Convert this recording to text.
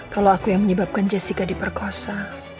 kalau aku yang menyebabkan jessica diperkosa